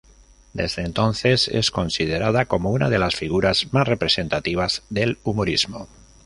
Desde entonces, es considerada como una de las figuras más representativas del humorismo.